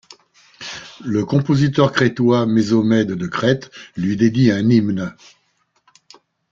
Le compositeur crétois Mésomède de Crète lui dédie un hymne.